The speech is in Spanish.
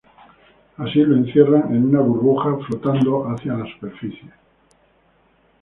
Así, lo encierran en una burbuja, flotando hacia la superficie.